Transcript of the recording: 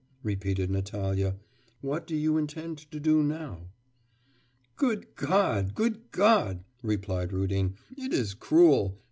repeated Natalya.... 'What do you intend to do now?' 'Good God, good God!' replied Rudin, 'it is cruel!